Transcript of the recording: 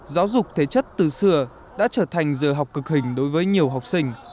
giáo dục thể chất từ xưa đã trở thành giờ học cực hình đối với nhiều học sinh